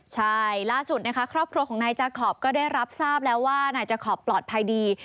ใช่ล่าสุดนะคะครอบครัวของนายจาขอบก็ได้รับทราบแล้วว่านายจาขอบปลอดภัยดี